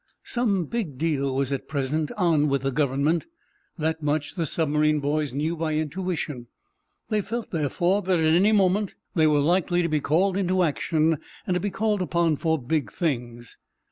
Some big deal was at present "on" with the Government. That much the submarine boys knew by intuition. They felt, therefore, that, at any moment, they were likely to be called into action—to be called upon for big things.